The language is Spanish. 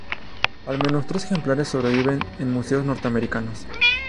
Al menos, tres ejemplares, sobreviven en museos norteamericanos.